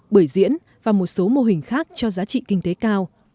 bưởi diễn và một số mô hình khác cho giá trị kinh tế cao